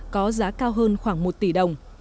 có giá cao hơn khoảng một tỷ đồng